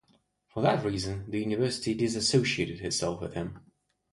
For that reason the university disassociated itself with him.